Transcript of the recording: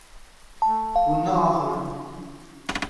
Hûn naaxivin.